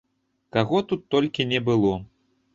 Каго тут толькі не было!